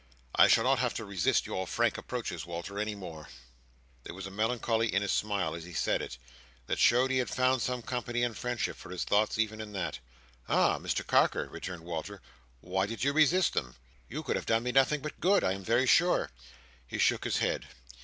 I shall not have to resist your frank approaches, Walter, any more." There was a melancholy in his smile as he said it, that showed he had found some company and friendship for his thoughts even in that. "Ah, Mr Carker!" returned Walter. "Why did you resist them? You could have done me nothing but good, I am very sure." He shook his head.